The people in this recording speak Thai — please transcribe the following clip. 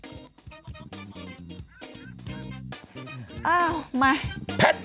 พาวเวอร์แพทย์